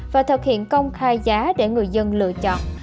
và thực hiện công khai giá để người dân lựa chọn